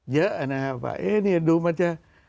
เยอะนะครับว่าเอ๊ะเนี่ยดูมันจะ